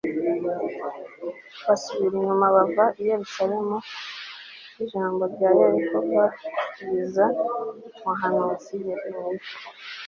basubira inyuma bava i Yerusalemu v Ijambo rya Yehova riza ku muhanuzi Yeremiya